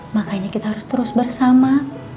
makanya kita harus terus bersama